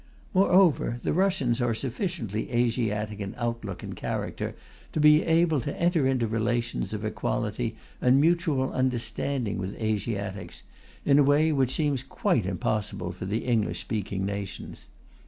Moreover, the Russians are sufficiently Asiatic in outlook and character to be able to enter into relations of equality and mutual understanding with Asiatics, in a way which seems quite impossible for the English speaking nations.